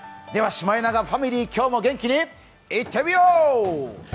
では、シマエナガファミリー、今日も元気にいってみよう！